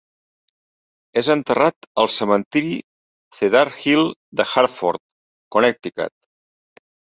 És enterrat al cementiri Cedar Hill de Hartford, Connecticut.